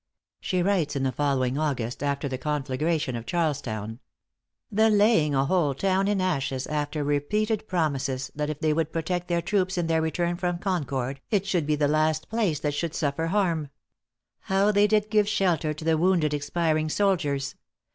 She writes in the following August, after the conflagration of Charlestown "The laying a whole town in ashes, after repeated promises that if they would protect their troops in their return from Concord, it should be the last place that should suffer harm! How did they give shelter to the wounded expiring soldiers!